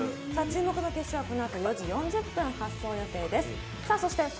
注目の決勝はこのあと４時４０分、発走予定です。